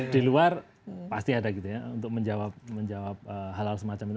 di luar pasti ada gitu ya untuk menjawab hal hal semacam itu